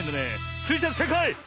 スイちゃんせいかい！